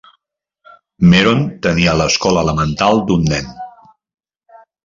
MEron tenia l'escola elemental d'un nen.